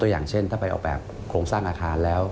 อย่างเช่นถ้าไปออกแบบโครงสร้างอาคารแล้ว